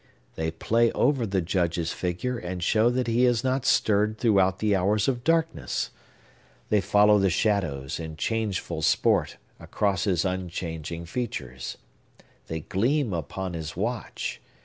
They play over the Judge's figure and show that he has not stirred throughout the hours of darkness. They follow the shadows, in changeful sport, across his unchanging features. They gleam upon his watch.